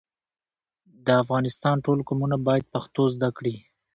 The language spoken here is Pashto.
د افغانستان ټول قومونه بايد پښتو زده کړي.